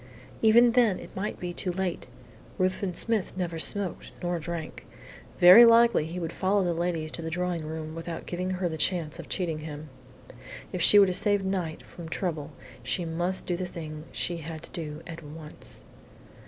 Even then it might be too late. Ruthven Smith neither smoked nor drank. Very likely he would follow the ladies to the drawing room without giving her the chance of cheating him. If she were to save Knight from trouble she must do the thing she had to do at once.